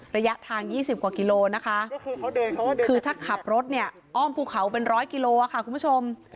ระยะทาง๒๐กว่ากิโลนะคะคือถ้าขับรถเนี่ยอ้อมภูเขาเป็นร้อยกิโลค่ะคุณผู้ชม